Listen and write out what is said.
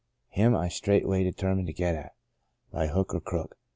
Him I straightway determined to get at, by hook or crook.